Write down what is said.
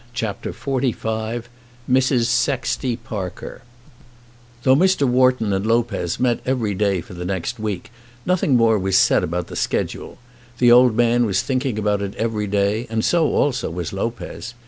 CHAPTER XLV Mrs. Sexty Parker Though Mr. Wharton and Lopez met every day for the next week, nothing more was said about the schedule. The old man was thinking about it every day, and so also was Lopez.